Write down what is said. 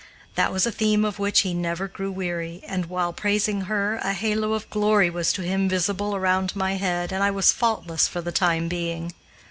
That was a theme of which he never grew weary, and, while praising her, a halo of glory was to him visible around my head and I was faultless for the time being.